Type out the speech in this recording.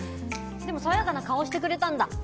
でも爽やかな顔してくれたんだ。